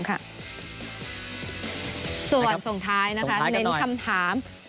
ส่วนส่วนท้ายนะคะ